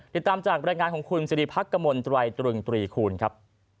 ติดตามจากแปลงานของคุณสิริพักกะมนต์ตรวัยตรึงตรีคูณครับ